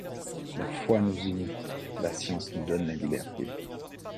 La foi nous unit, la science nous donne la liberté.